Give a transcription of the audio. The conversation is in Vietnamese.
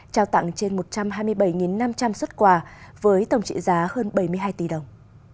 trao tặng trên một trăm hai mươi bảy năm trăm linh xuất quà với tổng trị giá hơn bảy mươi hai tỷ đồng